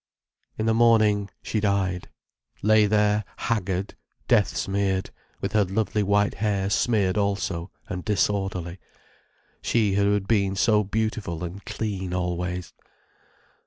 In the morning she died—lay there haggard, death smeared, with her lovely white hair smeared also, and disorderly: she who had been so beautiful and clean always.